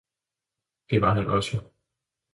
Det var han også